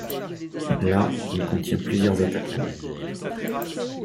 Là, il contient plusieurs attaques romaines.